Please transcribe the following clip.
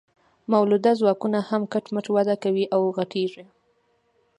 مؤلده ځواکونه هم کټ مټ وده کوي او غټیږي.